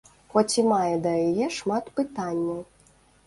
Хоць і мае да яе шмат пытанняў.